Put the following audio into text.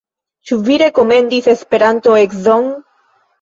Ĉu vi rekomendis Esperanto-edzon?